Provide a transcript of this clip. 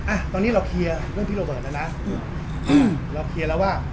อ่ะตอนนี้เราเคลียร์เรื่องพี่โรเบิร์ตแล้วนะอืมเราเคลียร์แล้วว่า